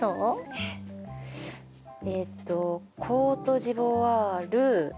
えっえっとコートジボワール